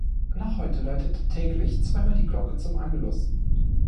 Noch heute läutet täglich zweimal die Glocke zum Angelus.